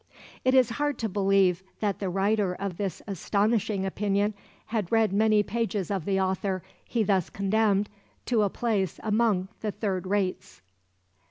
It is hard to believe that the writer of this astonishing opinion had read many pages of the author he thus condemned to a place among the third rates.